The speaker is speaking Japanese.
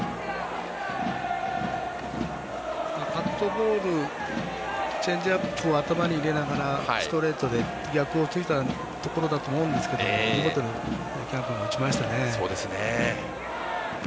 カットボールチェンジアップを頭に入れながらストレートで逆をついたところだと思うんですけど見事に喜屋武君が打ちました。